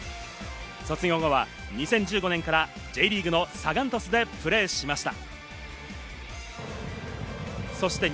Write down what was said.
卒業後は２０１５年からＪリーグのサガン鳥栖でプレーしました。